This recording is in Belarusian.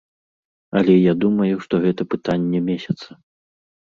Але я думаю, што гэта пытанне месяца.